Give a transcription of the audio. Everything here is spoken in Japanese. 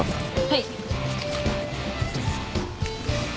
はい。